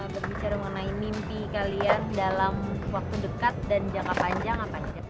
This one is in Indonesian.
berbicara mengenai mimpi kalian dalam waktu dekat dan jangka panjang apa aja